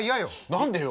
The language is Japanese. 何でよ！